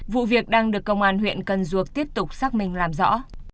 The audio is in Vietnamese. vụ việc đang được công an huyện cần duộc tiếp tục xác minh làm rõ